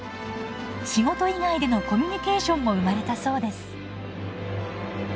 仕事以外でのコミュニケーションも生まれたそうです。